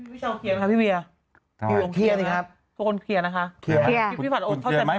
วิชาวเคลียร์ไหมครับพี่เวีย